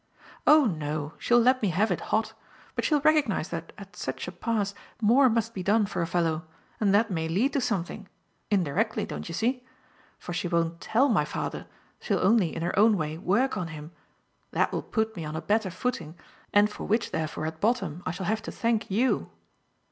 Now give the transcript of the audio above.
"Oh no; she'll let me have it hot. But she'll recognise that at such a pass more must be done for a fellow, and that may lead to something indirectly, don't you see? for she won't TELL my father, she'll only, in her own way, work on him that will put me on a better footing and for which therefore at bottom I shall have to thank YOU!"